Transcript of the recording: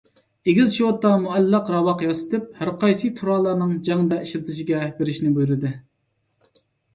ئېگىز شوتا، مۇئەللەق راۋاق ياسىتىپ، ھەرقايسى تۇرالارنىڭ جەڭدە ئىشلىتىشىگە بېرىشنى بۇيرۇدى.